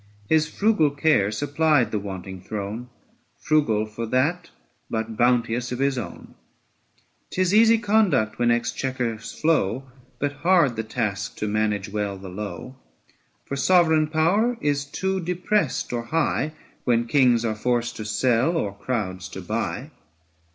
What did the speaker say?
His frugal care supplied the wanting throne, Frugal for that, but bounteous of his own : 112 ABSALOM AND ACHITOPHEL. 'Tis easy conduct when exchequers flow, But hard the task to manage well the low. 895 For sovereign power is too depressed or high, When kings are forced to sell or crowds to buy.